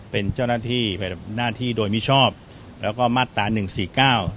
เป็นเจ้าหน้าที่โดยมิชอบแล้วก็มาตราหนึ่งสี่เก้า